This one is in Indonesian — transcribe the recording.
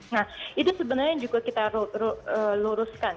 nah itu sebenarnya yang juga kita luruskan